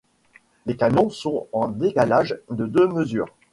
Les canons sont en décalage de deux mesures.